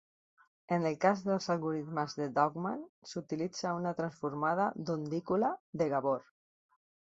En el cas dels algorismes de Daugman, s'utilitza una transformada d'ondícula de Gabor.